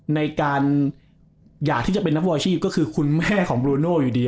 ในการอยากที่จะเป็นนักบอลอาชีพก็คือคุณแม่ของบลูโน่อยู่ดี